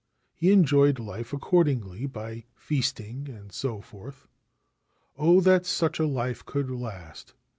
He enjoyed life accordingly, by feasting and so forth. c Oh that such a life could last